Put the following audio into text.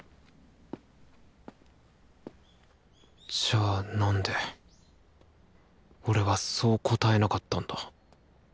じゃあなんで俺はそう答えなかったんだ？